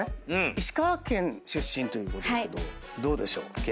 石川県出身ということですけどどうでしょう？